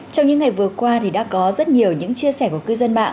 trong những ngày vừa qua thì đã có rất nhiều những chia sẻ của cư dân mạng